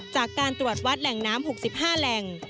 จากการตรวจวัดแหล่งน้ำ๖๕แหล่ง